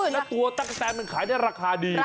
แล้วตัวต๊ะกะแซนเนี่ยขายได้ราคาดีนะ